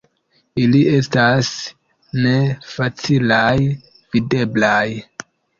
Ili estas ne facilaj videblaj.